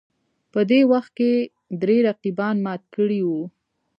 په دې وخت کې درې رقیبان مات کړي وو